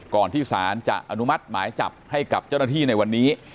ก่อนที่ศาลจะอนุมัติหมายจับให้กับเจ้าหน้าที่ในวันนี้